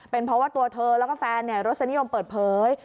เป็นเพราะว่าตัวเธอและแฟนรักษณิยมเปิดเผย